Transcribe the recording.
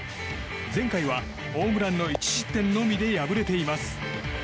前回はホームランの１失点のみで敗れています。